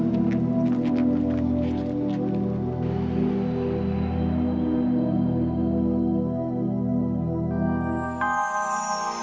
tidak ada apa apa